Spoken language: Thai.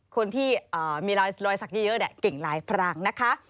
คนที่มีรอยสักเยอะเก่งลายพรางนะคะ